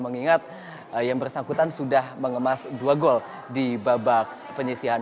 mengingat yang bersangkutan sudah mengemas dua gol di babak penyisihan